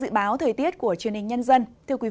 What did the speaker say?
dự báo thời tiết của truyền hình nhân dân